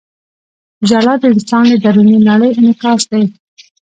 • ژړا د انسان د دروني نړۍ انعکاس دی.